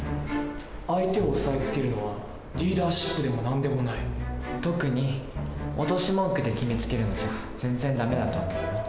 相手を押さえつけるのはリーダーシップでも何でもない。特に脅し文句で決めつけるのじゃ全然駄目だと思うよ。